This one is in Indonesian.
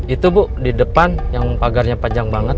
itu bu di depan yang pagarnya panjang banget